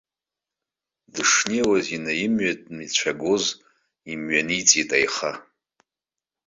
Дышнеиуаз, инаимҩатәны, ицәагоз, имҩаниҵеит аиха.